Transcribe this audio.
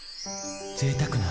ぜいたくな．．．